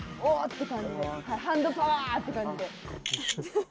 って感じでハンドパワー！って感じで。